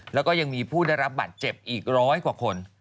แล้วก็ยังมีผู้ได้รับบัตรเจ็บอีกร้อยกว่าคน